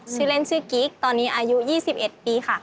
ชื่อเล่นชื่อกิ๊กตอนนี้อายุ๒๑ปีค่ะ